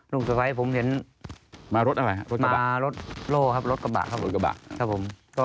ลูกสภัยผมเห็นมารถรถกระบาดครับผม